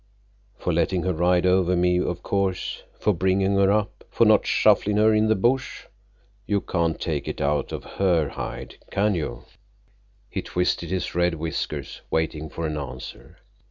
"For letting her ride over me, of course. For bringing her up. For not shufflin' her in the bush. You can't take it out of her hide, can you?" He twisted his red whiskers, waiting for an answer.